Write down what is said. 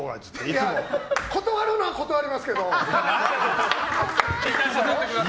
断るのは断りますけど。